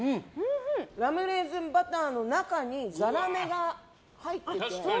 ラムレーズンバターの中にザラメが入ってて。